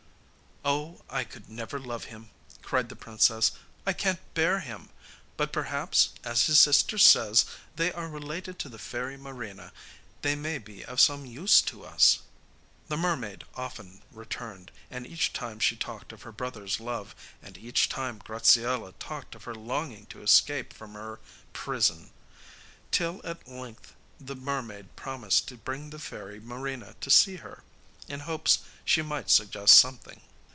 'Oh, I could never love him,' cried the princess; 'I can't bear him. But, perhaps, as his sister says they are related to the fairy Marina, they may be of some use to us.' The mermaid often returned, and each time she talked of her brother's love, and each time Graziella talked of her longing to escape from her prison, till at length the mermaid promised to bring the fairy Marina to see her, in hopes she might suggest something.